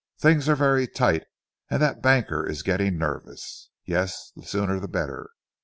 Things are very tight, and that banker is getting nervous.... Yes, the sooner the better.